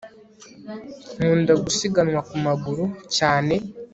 nkunda gusiganwa ku maguru cyane